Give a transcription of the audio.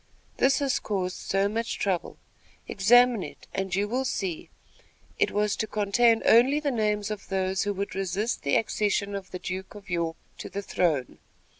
"This has caused so much trouble. Examine it, and you will see it was to contain only the names of those who would resist the accession of the Duke of York to the throne."